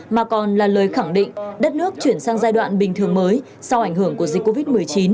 mà còn là lời khẳng định đất nước chuyển sang giai đoạn bình thường mới sau ảnh hưởng của dịch covid một mươi chín